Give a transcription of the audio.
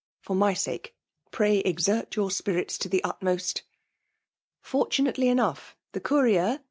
For my sake, pray exert your spirits to the utmost.*' Fortunately enough, the courier